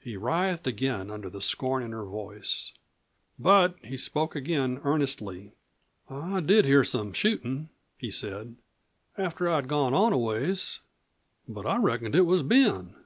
He writhed again under the scorn in her voice. But he spoke again, earnestly. "I did hear some shootin'," he said, "after I'd gone on a ways. But I reckoned it was Ben."